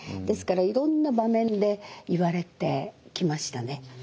ですからいろんな場面で言われてきましたね。